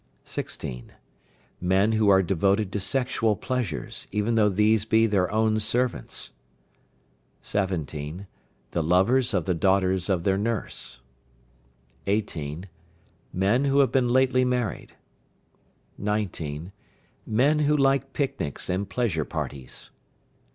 16. Men who are devoted to sexual pleasures, even though these be their own servants. 17. The lovers of the daughters of their nurse. 18. Men who have been lately married. 19. Men who like picnics and pleasure parties.